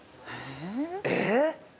えっ？